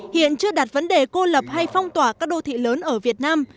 hiện chưa đặt vấn đề cô lập hay phong tỏa các đô thị lớn ở việt nam